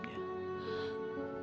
kamu harus sabar liat